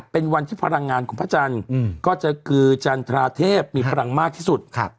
เป็นวันที่พลังงานของพระจันทร์ก็จะคือจันทราเทพมีพลังมากที่สุด